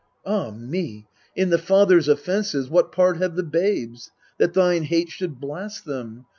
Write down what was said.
Ah me, in the father's offences What part have the babes, that thine hate Should blast them